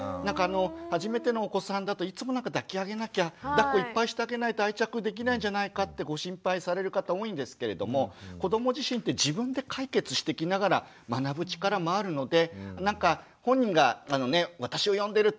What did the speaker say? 初めてのお子さんだといつもなんか抱き上げなきゃだっこいっぱいしてあげないと愛着できないんじゃないかってご心配される方多いんですけれども子ども自身って自分で解決していきながら学ぶ力もあるので本人が私を呼んでる呼んでる時って分かりますよね？